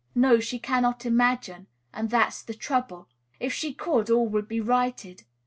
No, she cannot imagine; and that is the trouble. If she could, all would be righted.